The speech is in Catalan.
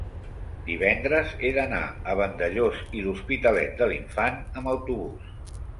divendres he d'anar a Vandellòs i l'Hospitalet de l'Infant amb autobús.